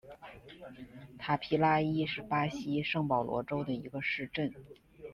塔皮拉伊是巴西圣保罗州的一个市镇。